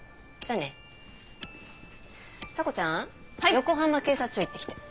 横浜警察署行ってきて。